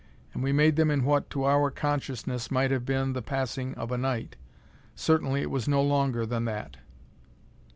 And we made them in what, to our consciousness, might have been the passing of a night. Certainly it was no longer than that.